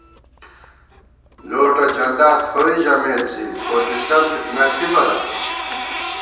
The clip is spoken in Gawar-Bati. لوٹہ چندا تھوئی ژمېت زی فوٹِسنت نہ تھِبہ نا